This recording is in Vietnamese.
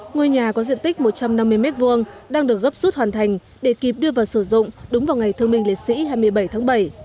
ngôi nhà có diện tích một trăm năm mươi m hai đang được gấp rút hoàn thành để kịp đưa vào sử dụng đúng vào ngày thương minh lễ sĩ hai mươi bảy tháng bảy